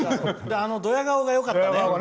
ドヤ顔がよかったね。